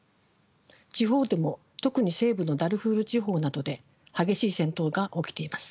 地方でも特に西部のダルフール地方などで激しい戦闘が起きています。